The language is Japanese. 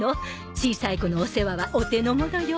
小さい子のお世話はお手のものよ。